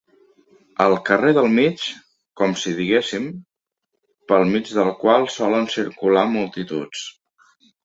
El carrer del mig, com si diguéssim, pel mig del qual solen circular multituds.